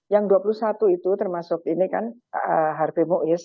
yang dua puluh satu itu termasuk ini kan harvey muiz